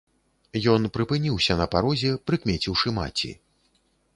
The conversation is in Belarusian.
Ён прыпыніўся на парозе, прыкмеціўшы маці.